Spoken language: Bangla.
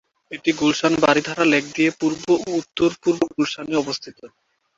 এটা গুলশান-বারিধারা লেক দিয়ে পূর্ব ও উত্তর-পূর্ব গুলশান-এ অবস্থিত।